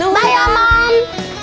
nunggu ya mam